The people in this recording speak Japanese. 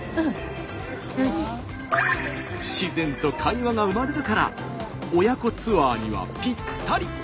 自然と会話が生まれるから親子ツアーにはぴったり。